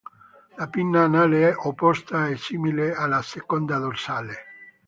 La pinna anale è opposta e simile alla seconda dorsale.